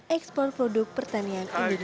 dan mengeksplor produk pertanian indonesia